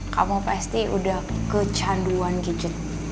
kamu pasti udah kecanduan gadget